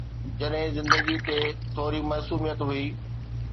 جڏهن زندگي تي ٿوري معصوميت هئي.